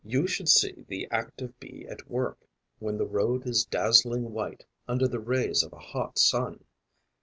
You should see the active Bee at work when the road is dazzling white under the rays of a hot sun.